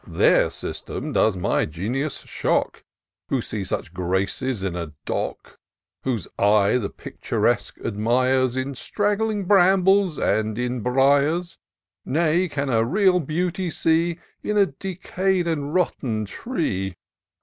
Their system does my genius shock. Who see such graces in a dock ; Whose eye the picturesque admires In straggling brambles, and in briers ; Nay, can a real beauty see In a decay'd and rotten tree.